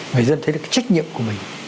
người dân thấy là cái trách nhiệm của mình